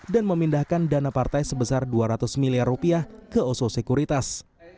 dan memindahkan dana partai sebesar dua ratus miliar rupiah ke oso sekuritas